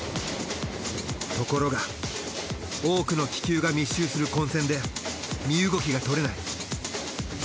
ところが多くの気球が密集する混戦で身動きがとれない。